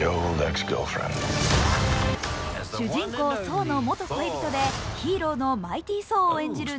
主人公・ソーの元恋人でヒーローのマイティ・ソーを演じる